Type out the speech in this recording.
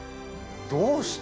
どうして？